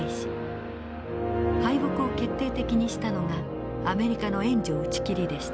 敗北を決定的にしたのがアメリカの援助打ち切りでした。